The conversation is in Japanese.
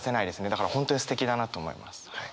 だから本当にすてきだなと思います。